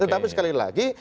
tetapi sekali lagi